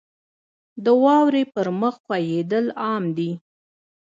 • د واورې پر مخ ښویېدل عام دي.